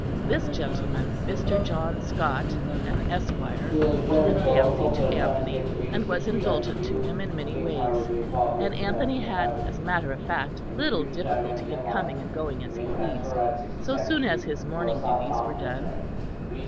This gentleman, Mr. John Scot, an Esquire, took a fancy to Anthony, and was indulgent to him in many ways; and Anthony had, as a matter of fact, little difficulty in coming and going as he pleased so soon as his morning duties were done.